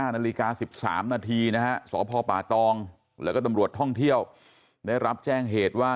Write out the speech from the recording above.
๕นาฬิกา๑๓นาทีนะฮะสพปาตองแล้วก็ตำรวจท่องเที่ยว